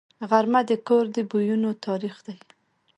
غرمه د کور د بویونو تاریخ دی